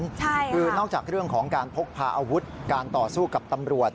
คือนอกจากเรื่องของการพกพาอาวุธการต่อสู้กับตำรวจ